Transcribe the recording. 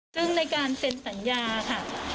ซึ่งในการเซ็นสัญญาค่ะ